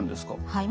はい。